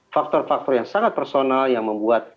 faktor faktor yang sangat personal yang membuat